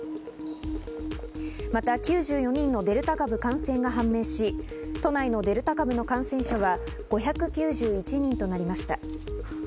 また９４人のデルタ株の感染が判明し、都内のデルタ株の感染者は５９１人となりました。